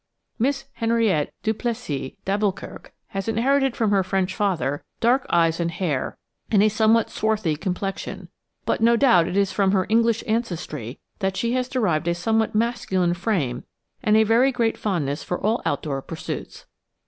Miss Henriette Duplessis d'Alboukirk has inherited from her French father dark eyes and hair and a somewhat swarthy complexion, but no doubt it is from her English ancestry that she has derived a somewhat masculine frame and a very great fondness for all outdoor pursuits.